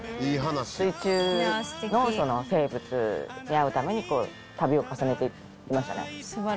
水中の生物に会うために旅を重ねていきましたね。